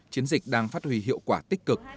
chiến dịch đang phát huy hiệu quả tích cực